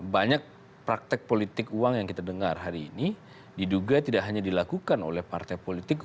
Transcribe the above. banyak praktek politik uang yang kita dengar hari ini diduga tidak hanya dilakukan oleh partai politik